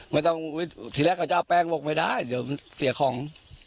ไม่ต้องที่แรกเขากับแปรงบอกไม่ได้เดี๋ยวเสียของ